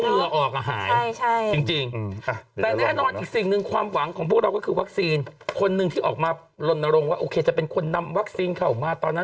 ไม่ได้อย่างนั้นอย่างที่เราพูดเล่นกันนะ